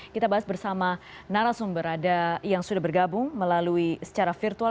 kita bahas bersama narasumber yang sudah bergabung melalui secara virtual